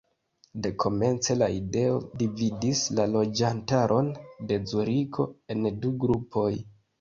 Dekomence la ideo dividis la loĝantaron de Zuriko en du grupoj.